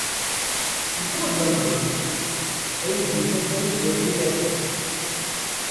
Nekk ur d amẓiw!, ay d-yenna Farid n At Yiraten.